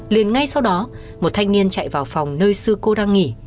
liền ngay sau đó một thanh niên chạy vào phòng nơi sư cô đang nghỉ